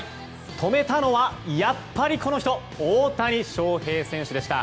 止めたのは、やっぱりこの人大谷翔平選手でした。